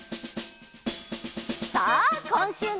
さあこんしゅうの。